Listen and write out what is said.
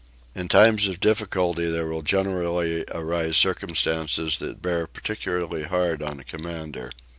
In times of difficulty there will generally arise circumstances that bear particularly hard on a commander.